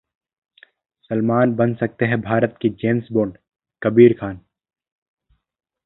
सलमान बन सकते हैं भारत के जेम्स बॉन्ड: कबीर खान